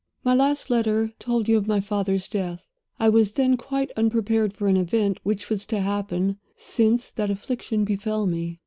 My last letter told you of my father's death. I was then quite unprepared for an event which has happened, since that affliction befell me.